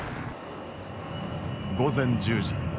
午前１０時。